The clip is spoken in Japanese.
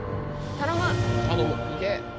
頼む！